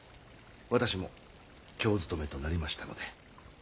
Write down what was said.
私も京勤めとなりましたので。